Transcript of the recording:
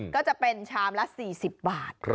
ก็จะเป็นชามละ๔๐บาท